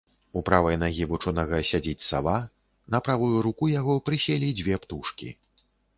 У правай нагі вучонага сядзіць сава, на правую руку яго прыселі дзве птушкі.